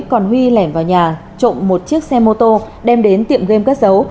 còn huy lẻn vào nhà trộm một chiếc xe mô tô đem đến tiệm game cất dấu